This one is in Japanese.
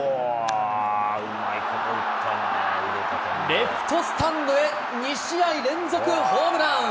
レフトスタンドへ、２試合連続ホームラン。